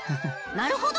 なるほど！